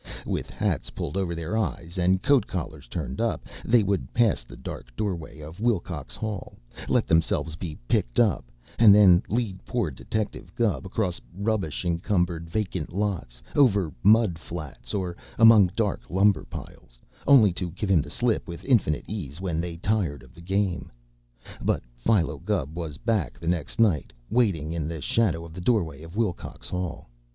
With hats pulled over their eyes and coat collars turned up, they would pass the dark doorway of Willcox Hall, let themselves be picked up, and then lead poor Detective Gubb across rubbish encumbered vacant lots, over mud flats or among dark lumber piles, only to give him the slip with infinite ease when they tired of the game. But Philo Gubb was back the next night, waiting in the shadow of the doorway of Willcox Hall.